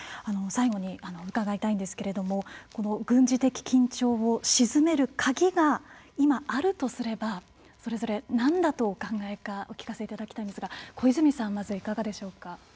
最後に伺いたいんですけれども軍事的緊張を鎮める鍵が今あるとすればそれぞれ何だとお考えかお聞かせいただきたいんですが小泉さんまずいかがでしょうか。